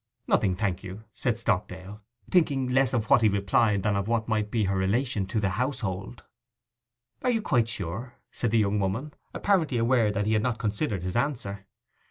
'Nothing, thank you,' said Stockdale, thinking less of what he replied than of what might be her relation to the household. 'You are quite sure?' said the young woman, apparently aware that he had not considered his answer.